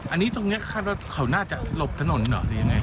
อันนี้ตรงเนี้ยข้ามรถเขาน่าจะหลบถนนเหรอที่ยังไง